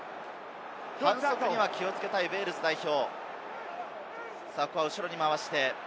反則には気をつけたいウェールズ代表。